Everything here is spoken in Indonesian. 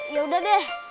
ya udah deh